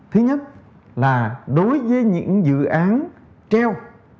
thứ nhất là đối với những dự án treo